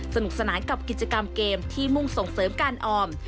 สนุกสนานกับกิจกรรมเกมที่มุ่งส่งเสริมการออม